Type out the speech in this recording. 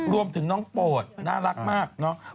รวมถึงน้องโปรดน่ารักมากเนาะ